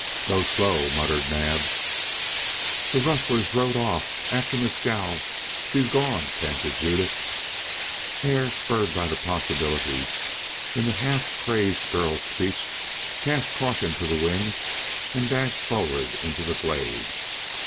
"Go slow," muttered Naab. "The rustlers rode off after Mescal she's gone!" panted Judith. Hare, spurred by the possibilities in the half crazed girl's speech, cast caution to the winds and dashed forward into the glade.